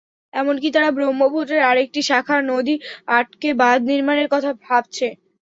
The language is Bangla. এমনকি তারা ব্রহ্মপুত্রের আরেকটি শাখা নদী আটকে বাঁধ নির্মাণের কথা ভাবছে।